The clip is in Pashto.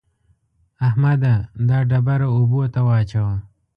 احمده! دا ډبره اوبو ته واچوه.